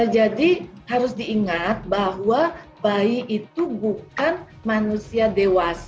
jadi harus diingat bahwa bayi itu bukan manusia dewasa